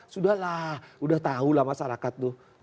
sudahlah sudah tahulah masyarakat itu